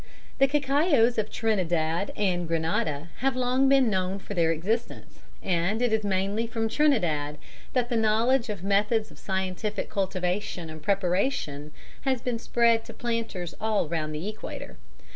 The cacaos of Trinidad and Grenada have long been known for their excellence, and it is mainly from Trinidad that the knowledge of methods of scientific cultivation and preparation has been spread to planters all round the equator.